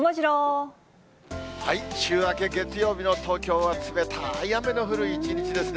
週明け月曜日の東京は冷たい雨の降る一日ですね。